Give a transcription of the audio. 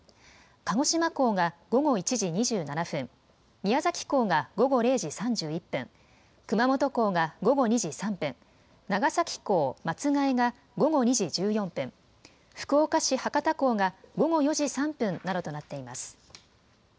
鹿児島港が午後１時２７分、宮崎港が午後０時３１分、熊本港が午後２時３分、長崎港松が枝が午後２時１４分、福岡市博多港が午後４時３分などとなっています。